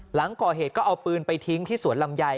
หลังก่อเหตุก็เอาปืนไปทิ้งที่สวนลำไย